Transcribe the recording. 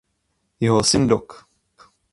Jeho syn doc.